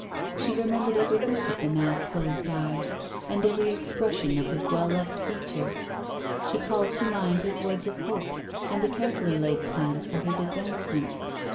She remembered every look of the now closed eyes, and every expression of his well loved features. She called to mind his words of hope, and the carefully laid plans for his advancement.